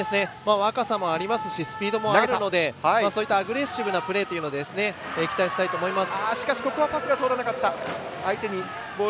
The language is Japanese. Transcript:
若さもありますしスピードもあるのでそういったアグレッシブなプレーというのを期待したいと思います。